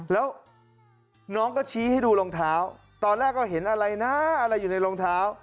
แล้วน้องก็ชี้ให้ดูรองเท้าตอนแรกก็เห็นอะไรนะอะไรอยู่ในรองเท้า